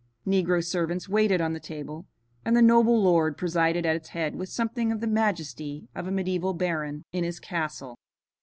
Negro servants waited on the table, and the noble lord presided at its head with something of the majesty of a medieval baron in his castle.